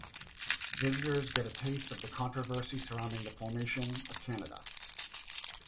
Visitors get a taste of the controversy surrounding the formation of Canada.